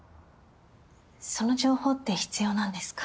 その情報って必要なんですか？